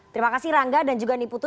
terima kasih rangga dan juga niputu